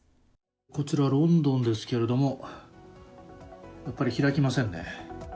こちらロンドンですけれども、やっぱり開きませんね。